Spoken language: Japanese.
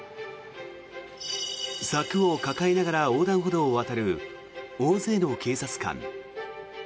柵を抱えながら横断歩道を渡る大勢の警察官。